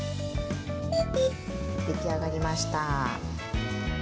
出来上がりました。